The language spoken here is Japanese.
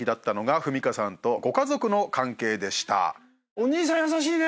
お兄さん優しいね。